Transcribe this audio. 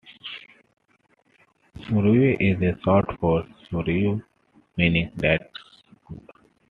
"Sorayoi" is short for "Sorewayoi," meaning "that's good.